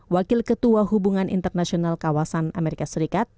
wakil ketua hubungan internasional kawasan amerika serikat